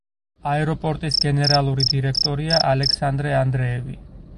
აეროპორტის გენერალური დირექტორია ალექსანდრე ანდრეევი.